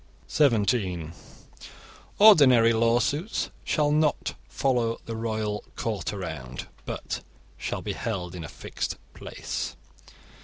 (17) Ordinary lawsuits shall not follow the royal court around, but shall be held in a fixed place.